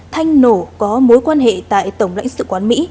thanh nổ có mối quan hệ tại tổng lãnh sự quán mỹ